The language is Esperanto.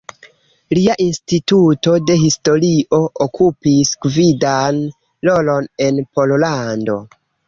Lia Instituto de Historio okupis gvidan rolon en Pollando.